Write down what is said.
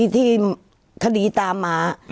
ที่คดีตามมา